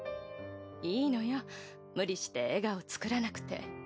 いいのよ無理して笑顔作らなくて。